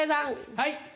はい。